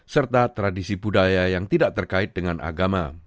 serta tradisi budaya yang tidak terkait dengan agama